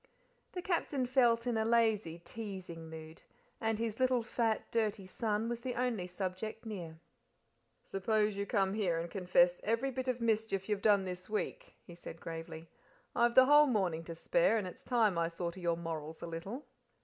The Captain felt in a lazy, teasing mood, and his little fat, dirty son, was the only subject near. "Suppose you come here and confess every bit of mischief you've done this week," he said gravely. "I've the whole morning to spare, and it's time I saw to your morals a little."